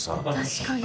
確かに。